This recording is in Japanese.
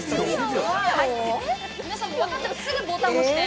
◆皆さんも分かったらすぐボタンを押して。